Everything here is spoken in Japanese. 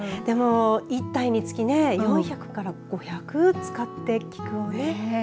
一体につき４００から５００使って菊をね。